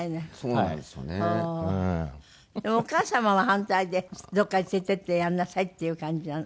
お母様は反対でどこかに連れて行ってやりなさいっていう感じなの？